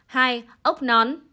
hai ốc nón